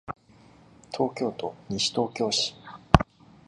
東京都西東京市